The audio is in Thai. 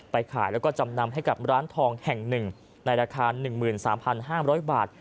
ไปขายแล้วก็จำนำให้กับร้านทองแห่งหนึ่งในราคาหนึ่งหมื่นสามพันห้ามร้อยบาท